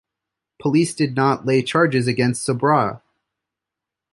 Police did not lay charges against Sorbara.